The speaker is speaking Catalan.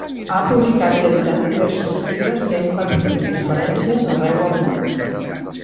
Ha publicat i editat diversos llibres i ha impartit conferències arreu del món.